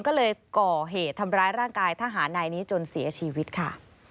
ก็เลยก่อเหตุทำร้ายร่างกายทหารนายนี้จนเสียชีวิตค่ะ